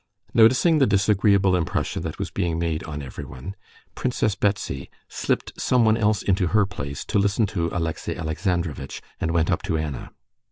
Noticing the disagreeable impression that was being made on everyone, Princess Betsy slipped someone else into her place to listen to Alexey Alexandrovitch, and went up to Anna.